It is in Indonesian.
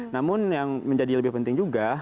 namun yang menjadi lebih penting juga